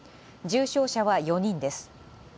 重症者は４人です。